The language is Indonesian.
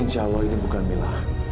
insya allah ini bukan milah